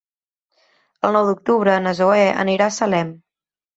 El nou d'octubre na Zoè anirà a Salem.